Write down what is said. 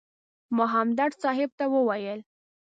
ما همدرد صاحب ته وویل.